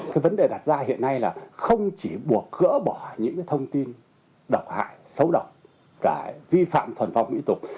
cái vấn đề đặt ra hiện nay là không chỉ buộc gỡ bỏ những cái thông tin độc hại xấu độc vi phạm thuần phong mỹ tục